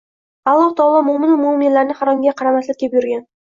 Alloh taolo mo‘minu mo‘minalarni haromga qaramaslikka buyurgan.